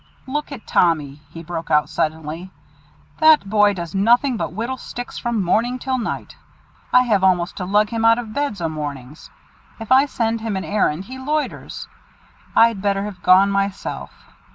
"Look at Tommy," he broke out suddenly. "That boy does nothing but whittle sticks from morning till night. I have almost to lug him out of bed o' mornings. If I send him an errand, he loiters; I'd better have gone myself.